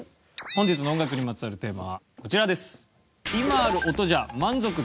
本日の音楽にまつわるテーマはこちらです。